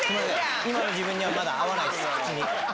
今の自分にはまだ合わないっす、口に。